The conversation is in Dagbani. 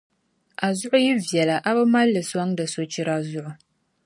A zuɣu yi viɛla, a bi mal’ li sɔŋdi sochira zuɣu.